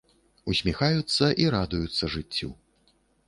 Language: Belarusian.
Усміхаюцца і радуюцца жыццю.